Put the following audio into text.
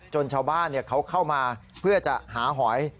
ชาวบ้านเขาเข้ามาเพื่อจะหาหอย